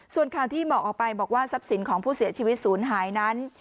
ส่วนข่าวที่บอกออกไปบอกว่าทรัพย์สินของผู้เสียชีวิตศูนย์หายนั้น